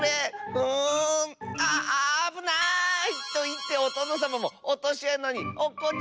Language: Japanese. うんあっあぶない！』といっておとのさまもおとしあなにおっこっちゃいました。